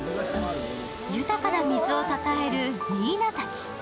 豊かな水をたたえるミーナ滝。